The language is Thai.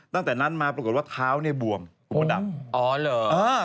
ตั้งแต่นั้นมาปรากฏว่าเท้านี่บวำอ๋อเหรอ